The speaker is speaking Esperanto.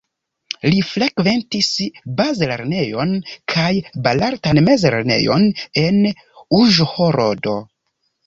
Li frekventis bazlernejon kaj belartan mezlernejon en Uĵhorodo.